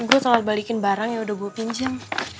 gue salah dibalikin barang ya udah gua pinjam